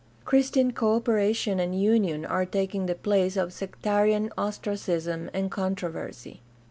Christian co operation and union are taking the place of sectarian ostracism and controversy.